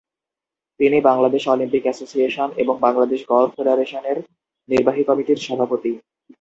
তিনি Bangladesh Olympic Association এবং Bangladesh golf ফেডারেশনের নির্বাহী কমিটির সভাপতি।